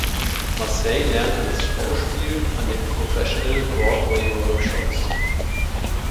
Massey lernte das Schauspiel an den Professional Broadway Workshops.